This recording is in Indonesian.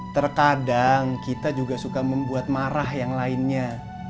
terkadang kita juga suka membuat marah yang lainnya